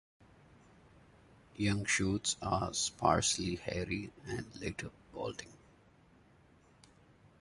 Young shoots are sparsely hairy and later balding.